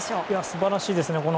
素晴らしいですね。